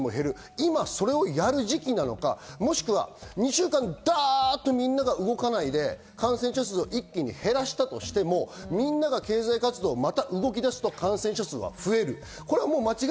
今、それをやる時期なのか、もしくは２週間みんなは動かないで感染者数を減らしたとしてもまた、経済活動を動かすと、また感染者数が増える。